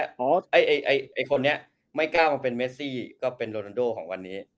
อ๋อไอ้คนนี้ไม่กล้ามาเป็นเมซี่ก็เป็นโรนันโดของวันนี้